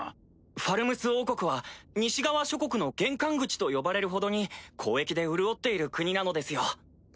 ファルムス王国は西側諸国の玄関口と呼ばれるほどに交易で潤っている国なのですよ。